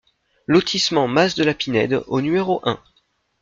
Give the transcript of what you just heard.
Lotissement Mas de la Pinede au numéro un